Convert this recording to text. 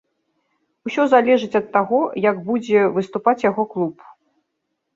Усё залежыць ад таго, як будзе выступаць яго клуб.